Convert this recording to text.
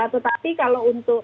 tetapi kalau untuk